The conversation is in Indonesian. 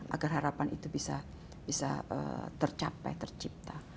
agar harapan itu bisa tercapai tercipta